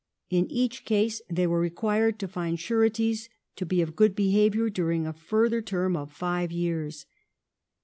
In each case they were required to find sureties to be of good behaviour during a further term of five years.